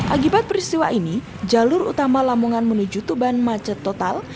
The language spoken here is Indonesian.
akibat peristiwa ini jalur utama lamongan menuju tuban macet total